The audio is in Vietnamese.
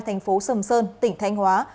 thành phố sầm sơn tỉnh thanh hóa